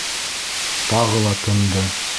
Тағы ла тынды.